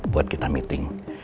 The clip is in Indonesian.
buat kita meeting